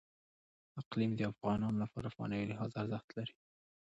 اقلیم د افغانانو لپاره په معنوي لحاظ ارزښت لري.